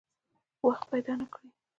وخت پیدا نه کړي.